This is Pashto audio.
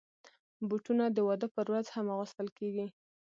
بوټونه د واده پر ورځ هم اغوستل کېږي.